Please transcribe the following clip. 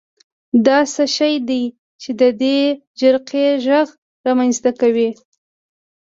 دا څه شی دی چې د دې جرقې غږ رامنځته کوي؟